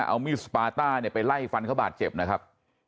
เอามีดสปาต้าเนี่ยไปไล่ฟันเขาบาดเจ็บนะครับ